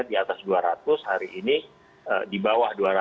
harus dua ratus hari ini di bawah dua ratus